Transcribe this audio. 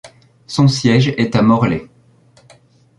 Son siège est à Morlaix.